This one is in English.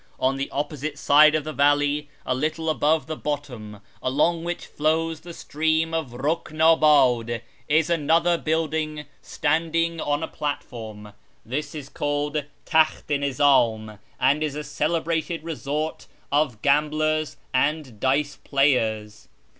On the opposite side of the valley, a little above the bottom, along which Hows the stream of Ihikndldd, is another building standing on a platform. This is called Takld i Nizdm, and is a celebrated resort of gamblers and dice players.